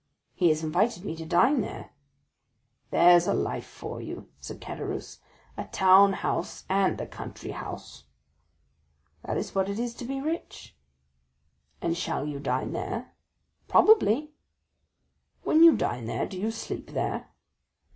"He has invited me to dine there." "There's a life for you," said Caderousse; "a town house and a country house." "That is what it is to be rich." "And shall you dine there?" "Probably." "When you dine there, do you sleep there?"